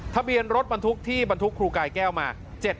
ทะเบียนรถบรรทุกที่บรรทุกครูกายแก้วมา